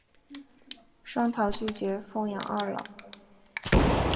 双桃拒绝奉养二老。